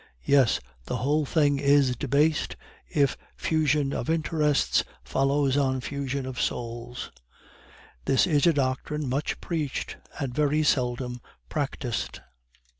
Yes, the whole thing is debased if fusion of interests follows on fusion of souls. This is a doctrine much preached, and very seldom practised."